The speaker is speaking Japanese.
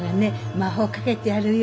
魔法かけてやるよ。